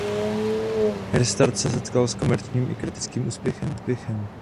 Restart se setkal s komerčním i kritickým úspěchem.